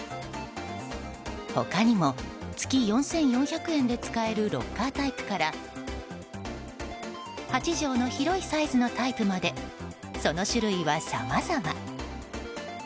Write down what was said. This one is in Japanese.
他にも月４４００円で使えるロッカータイプから８畳の広いサイズのタイプまでその種類はさまざま。